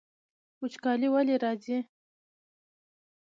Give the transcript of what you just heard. وچکالي ولې راځي؟